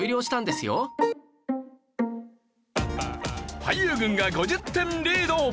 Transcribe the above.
俳優軍が５０点リード！